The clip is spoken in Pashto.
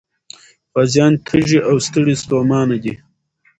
غازيان تږي او ستړي ستومانه دي.